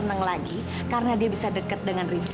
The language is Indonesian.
mungkin zahira seneng lagi karena dia bisa deket dengan rizky